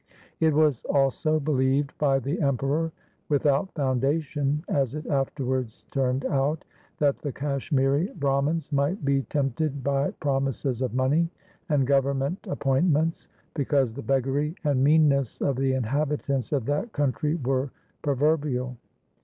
It was also believed by the Emperor — without foundation as it afterwards turned out — that the Kashmiri Brahmans might be tempted by promises of money and govern ment appointments, because the beggary and mean ness of the inhabitants of that country were pro verbial.